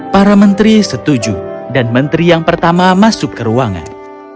para menteri setuju dan menteri yang pertama masuk ke ruangan